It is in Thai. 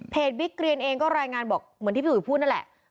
วิกเรียนเองก็รายงานบอกเหมือนที่พี่อุ๋ยพูดนั่นแหละ